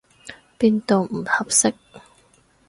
邊度唔合適？